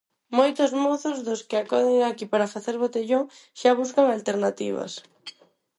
Moitos mozos dos que acoden aquí para facer botellón xa buscan alternativas.